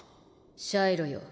シャイロよ